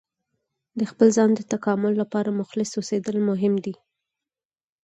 د خپل ځان د تکامل لپاره مخلص اوسیدل مهم دي.